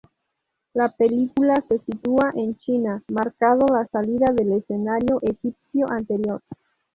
La película se sitúa en China, marcado la salida del escenario egipcio anterior.